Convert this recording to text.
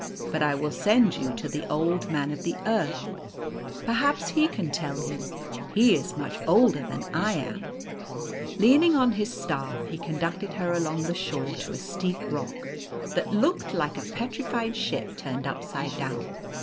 But I will send you to the Old Man of the Earth. Perhaps he can tell you. He is much older than I am." Leaning on his staff, he conducted her along the shore to a steep rock, that looked like a petrified ship turned upside down.